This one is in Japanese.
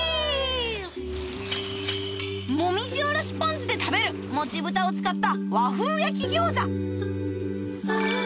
もみじおろしポン酢で食べるもち豚を使った和風焼き餃子